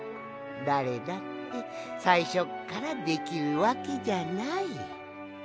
だれだってさいしょっからできるわけじゃない。